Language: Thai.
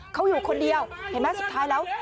เขาอยู่คนเดียวเห็นไหมสุดท้ายแล้ว